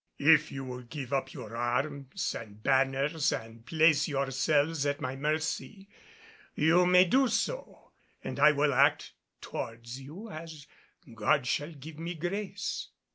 If you will give up your arms and banners and place yourselves at my mercy, you may do so; and I will act towards you as God shall give me grace."